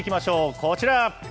こちら。